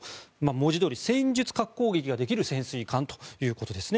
文字どおり、戦術核攻撃ができる潜水艦ということです。